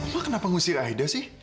mama kenapa mengusir aida sih